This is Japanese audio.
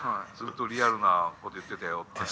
リアルなことを言ってたよって。